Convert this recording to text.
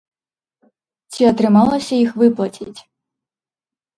Ці атрымалася іх выплаціць?